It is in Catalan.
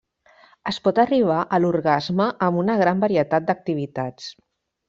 Es pot arribar a l'orgasme amb una gran varietat d'activitats.